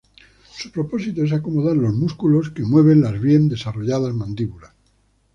Su propósito es acomodar los músculos que mueven las bien desarrolladas mandíbulas.